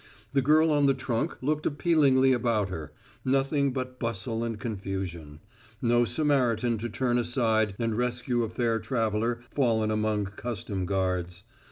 The girl on the trunk looked appealingly about her; nothing but bustle and confusion; no Samaritan to turn aside and rescue a fair traveler fallen among customs guards.